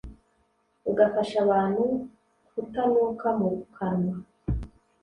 ugafasha abantu kutanuka mu kanwa